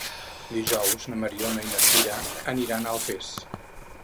Dijous na Mariona i na Sira aniran a Alfés.